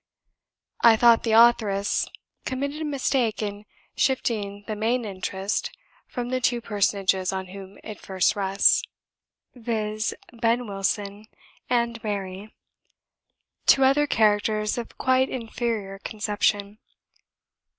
I thought the authoress committed a mistake in shifting the main interest from the two personages on whom it first rests viz., Ben Wilson and Mary to other characters of quite inferior conception.